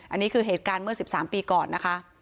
อันนี้คือเหตุการณ์เมื่อ๑๓ปีก่อนนะคะ